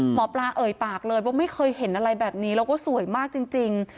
หมอปลาเอ่ยปากเลยว่าไม่เคยเห็นอะไรแบบนี้แล้วก็สวยมากจริง